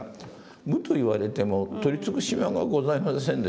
「無」と言われても取りつく島がございませんでしょう。